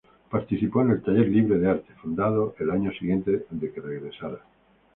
Participó en el Taller Libre de Arte, fundado al año siguiente de que regresara.